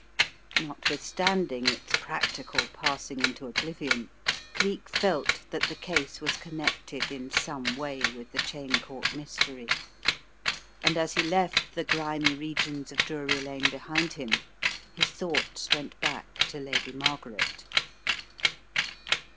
Notwith standing its practical passing into oblivion, Cleek felt that the case was connected in some way with the Cheyne Court mystery, and as he left the grimy regions of Drury Lare behind him his thoughts went back to Lady Margaret.